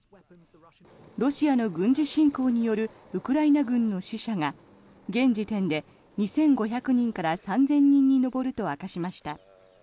ロシアの軍事侵攻によるウクライナ軍の死者が現時点で２５００人から３０００人に上ると明かしました。